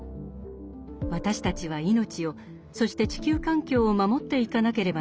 私たちは命をそして地球環境を守っていかなければなりません。